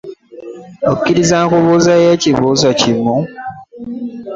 Okkiriza nkubuuzeeyo ekibuuzo kimu?